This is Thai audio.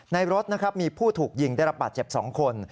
ในรถนะครับมีผู้ถูกยิงได้รับบาดเจ็บ๒คน